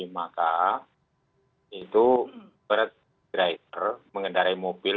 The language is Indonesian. maka itu berat driver mengendarai mobil